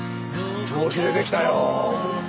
調子出てきたよ。